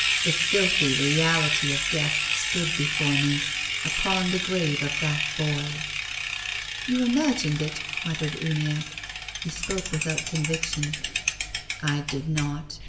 The filthy reality of death stood before me, upon the grave of that boy." " You imagined it," muttered Uniacke. He spoke without conviction. " I did not.